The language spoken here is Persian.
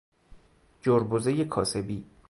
جربزهی کاسبی